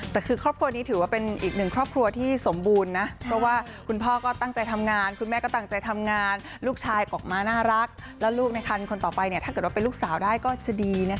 แต่คือครอบครัวนี้ถือว่าเป็นอีกหนึ่งครอบครัวที่สมบูรณ์นะเพราะว่าคุณพ่อก็ตั้งใจทำงานคุณแม่ก็ตั้งใจทำงานลูกชายออกมาน่ารักและลูกในคันคนต่อไปถ้าเกิดว่าเป็นลูกสาวได้ก็จะดีนะคะ